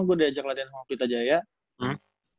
gue diajak latihan sama prita jaya hmm